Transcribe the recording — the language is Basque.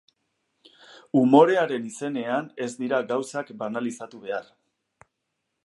Umorearen izenean ez dira gauzak banalizatu behar.